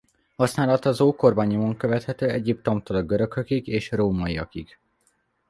Használata az ókorban nyomon követhető Egyiptomtól a görögökig és a rómaiakig.